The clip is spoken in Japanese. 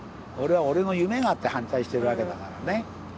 俺は俺の夢があって反対してるわけだからね。